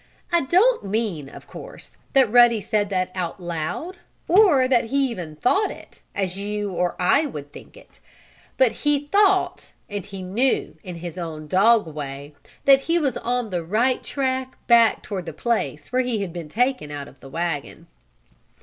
I don't mean, of course, that Ruddy said that out loud, or that he even thought it, as you or I would think it. But he thought, and he knew, in his own dog way, that he was on the right track back toward the place where he had been taken out of the wagon.